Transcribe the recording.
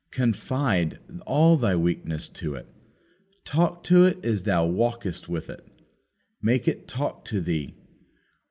Confide all thy weakness to it. Talk to it as thou walkest with it. Make it talk to thee.